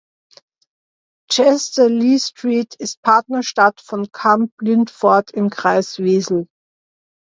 Chester-le-Street ist Partnerstadt von Kamp-Lintfort im Kreis Wesel